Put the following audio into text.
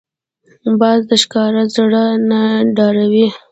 باز د ښکار زړه نه ډاروي